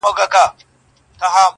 زه چي قدم پر قدم ږدم تا یادومه؛